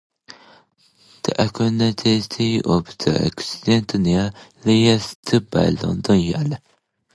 "The Archaeometallurgy of the Ancient Near East" by Lloyd R.